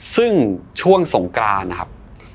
ซึ่งช่วงสงกรานนะครับ